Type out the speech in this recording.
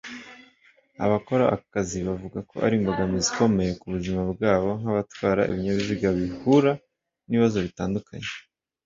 abakora aka kazi bavuga ari imbogamizi ikomeye ku buzima bwabo nk’abatwara ibinyabiziga bihura n’ibibazo bitandukanye